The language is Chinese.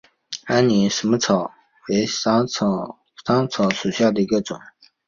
安宁薹草为莎草科薹草属下的一个种。